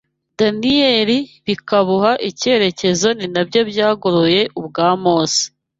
Daniyeli bikabuha icyerekezo ni nabyo byagoroye ubwa Mose